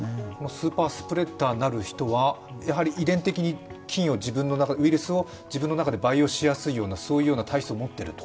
スーパースプレッダーなる人は遺伝的に菌をウイルスを自分の中で培養しやすいような体質を持っていると。